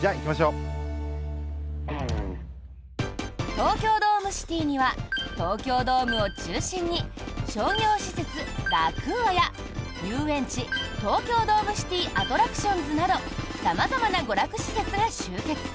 東京ドームシティには東京ドームを中心に商業施設ラクーアや遊園地、東京ドームシティアトラクションズなど様々な娯楽施設が集結。